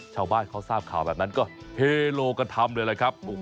ชาวบ้านเขาทราบข่าวแบบนั้นก็เฮโลกธรรมเลยครับ